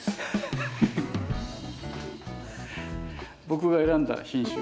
僕が選んだ品種。